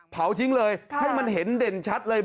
เผาทิ้งเลยให้มันเห็นเด่นชัดเลย